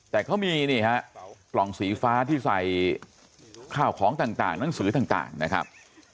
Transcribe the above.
แต่เขามีนี่ฮะกล่องสีฟ้าที่ใส่ข้าวของต่างหนังสือต่างนะครับ